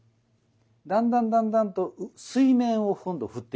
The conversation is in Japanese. だんだんだんだんと水面を今度振ってみて下さい。